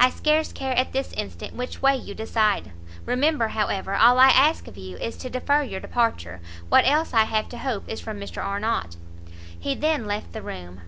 I scarce care at this instant which way you decide; remember, however, all I ask of you is to defer your departure; what else I have to hope is from Mr Arnott." He then left the room.